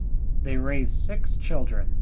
They raised six children.